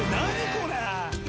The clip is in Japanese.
これ！